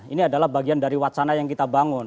ini adalah bagian dari wacana yang kita bangun